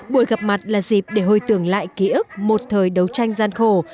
buổi gặp mặt là dịp để hồi tưởng lại ký ức một thời đấu tranh gian khổ